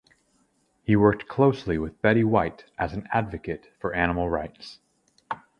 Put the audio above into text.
He worked closely with Betty White as an advocate for animal rights.